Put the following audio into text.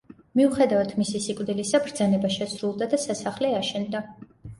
მიუხედავად მისი სიკვდილისა, ბრძანება შესრულდა და სასახლე აშენდა.